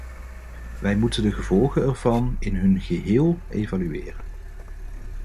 Wij moeten de gevolgen ervan in hun geheel evalueren.